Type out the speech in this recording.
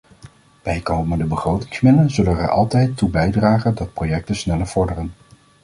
Bijkomende begrotingsmiddelen zullen er altijd toe bijdragen dat projecten sneller vorderen.